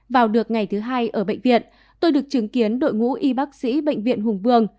vào được ngày thứ hai ở bệnh viện tôi được chứng kiến đội ngũ y bác sĩ bệnh viện hùng vương